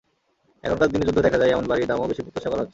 এখনকার দিনে যুদ্ধ দেখা যায় এমন বাড়ির দামও বেশি প্রত্যাশা করা হচ্ছে।